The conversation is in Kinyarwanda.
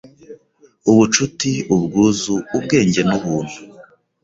ubucuti, ubwuzu, ubwenge n’ubuntu